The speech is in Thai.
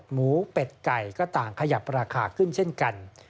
หมูเป็ดไก่ก็ต่างขยับราคาขึ้นเช่นกัน